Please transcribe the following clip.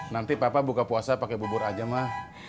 nanti papa buka puasa pakai bubur aja mah